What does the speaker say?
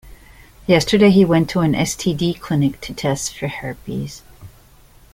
Yesterday, he went to an STD clinic to test for herpes.